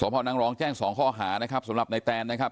สวมภาวนางรองแจ้ง๒ข้ออาหารนะครับสำหรับในแตนนะครับ